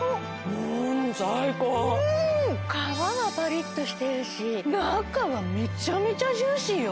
うん最高うん皮がパリッとしてるし中はめちゃめちゃジューシーよ